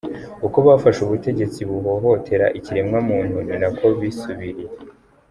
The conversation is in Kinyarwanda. Uko bafashe ubutegetsi buhohotera ikiremwa muntu ninako bisubiriye!